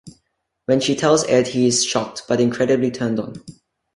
When she tells Ed, he is shocked, but incredibly turned on.